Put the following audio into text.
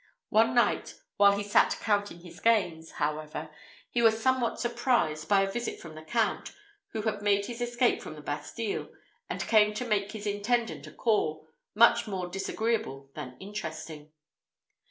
One night, while he sat counting his gains, however, he was somewhat surprised by a visit from the count, who had made his escape from the Bastille, and came to make his intendant a call, much more disagreeable than interesting.